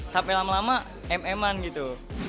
sampai lama lama m eman gitu